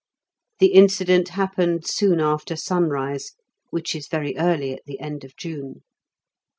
The incident happened soon after sunrise, which is very early at the end of June.